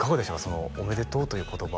その「おめでとう」という言葉